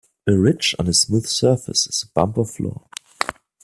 A ridge on a smooth surface is a bump or flaw.